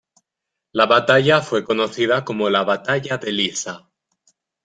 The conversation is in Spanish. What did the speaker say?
La batalla fue conocida como la batalla de Lissa.